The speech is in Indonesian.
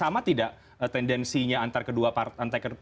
sama tidak tendensinya antara kedua partai